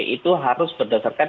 itu harus berdasarkan